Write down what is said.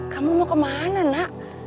kamu mau kemana nak